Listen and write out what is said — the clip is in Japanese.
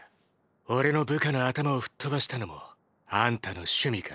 俺の部下の頭をフッ飛ばしたのもあんたの趣味か？